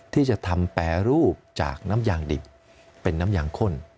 ที่จะทำแปรรูปจากน้ำยางดิบเป็นน้ำยางข้น